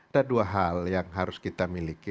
ada dua hal yang harus kita miliki